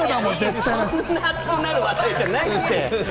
そんなに熱くなる話題じゃないって！